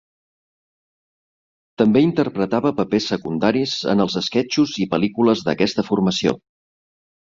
També interpretava papers secundaris en els esquetxos i pel·lícules d'aquesta formació.